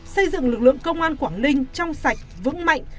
xây dựng lực lượng công an quảng ninh trong sạch vững mạnh